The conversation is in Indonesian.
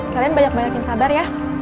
kalian banyak banyakin sabar ya